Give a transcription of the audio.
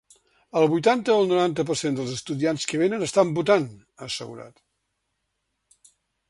El vuitanta o noranta per cent dels estudiants que venen estan votant, ha assegurat.